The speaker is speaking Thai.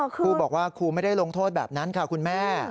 ครูบอกว่าครูไม่ได้ลงโทษแบบนั้นค่ะคุณแม่